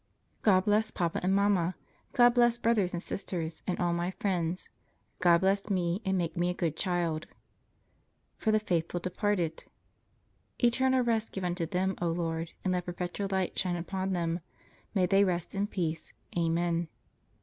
God bless Papa and Mamma. God bless Brothers and Sisters, and all my friends. God bless me, and make me a good child. FOR THE FAITHFUL DEPARTED. Eternal rest give unto them, O Lord. And let perpetual light shine upon them. May they rest in peace. Amen.